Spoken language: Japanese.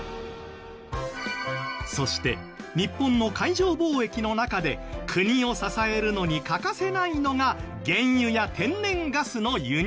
そして日本の海上貿易の中で国を支えるのに欠かせないのが原油や天然ガスの輸入。